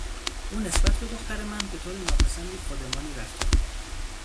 او نسبت به دختر من بهطور ناپسندی خودمانی رفتار کرد.